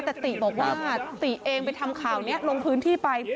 แต่ติบอกว่าติเองไปทำข่าวนี้ลงพื้นที่ไป